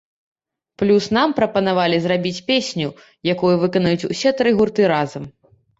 Плюс, нам прапанавалі зрабіць песню, якую выканаюць усе тры гурты разам.